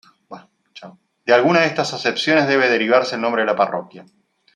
De alguna de estas acepciones debe derivarse el nombre de la parroquia.